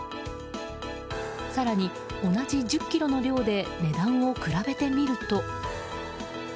更に同じ１０ｋｇの量で値段を比べてみると。